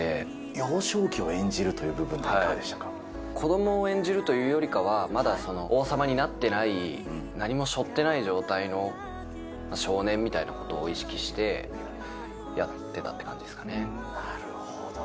幼少期を演じるという部分で子どもを演じるというよりかは、まだ王様になってない、何もしょってない状態の少年みたいなことを意識してやってたってなるほど。